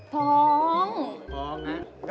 ท้องโอ้โฮครับ